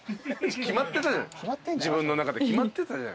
自分の中で決まってたじゃん。